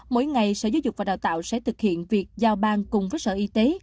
mỗi ngày sở giáo dục và đào tạo sẽ thực hiện việc giao ban cùng với sở y tế